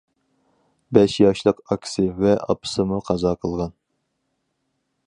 بەش ياشلىق ئاكىسى ۋە ئاپىسىمۇ قازا قىلغان.